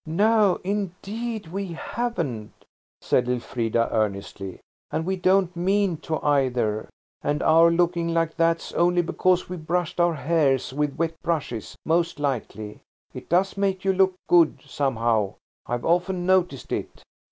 "No, indeed we haven't," said Elfrida earnestly, "and we don't mean to either. And our looking like that's only because we brushed our hairs with wet brushes, most likely. It does make you look good, somehow; I've often noticed it."